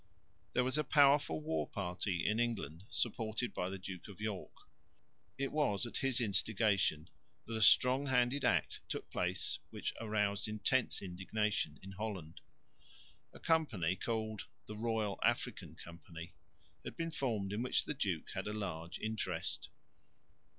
There was a powerful war party in England, supported by the Duke of York. It was at his instigation that a strong handed act took place which aroused intense indignation in Holland. A company called "The Royal African Company" had been formed in which the duke had a large interest.